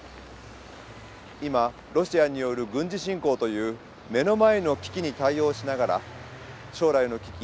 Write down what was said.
今ロシアによる軍事侵攻という目の前の危機に対応しながら将来の危機